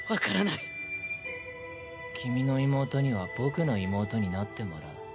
累：君の妹には僕の妹になってもらう。